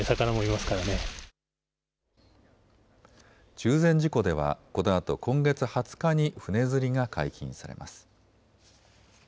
中禅寺湖ではこのあと今月２０日に船釣りが解禁されます。